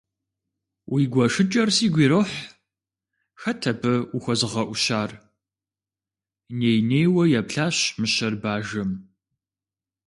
Уи гуэшыкӏэр сигу ирохь, хэт абы ухуэзыгъэӏущар? - ней-нейуэ еплъащ мыщэр бажэм.